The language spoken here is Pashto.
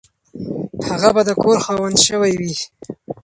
هغه به د کور خاوند شوی وي.